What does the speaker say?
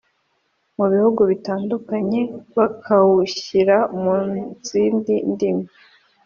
mu bihugu bitandukanye bakawushyira mu zindi ndimi